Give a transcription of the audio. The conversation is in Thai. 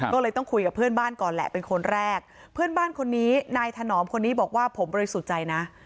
ก็เลยต้องคุยกับเพื่อนบ้านก่อนแหละเป็นคนแรกเพื่อนบ้านคนนี้นายถนอมคนนี้บอกว่าผมบริสุทธิ์ใจนะ